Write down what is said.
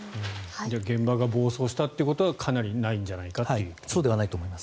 現場が暴走したということはかなりないんじゃないかと。